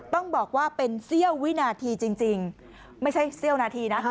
ต้องบอกว่าเป็นเสี้ยววินาทีจริงไม่ใช่เสี้ยวนาทีนะ